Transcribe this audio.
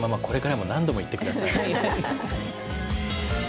これからも何度も言って下さい。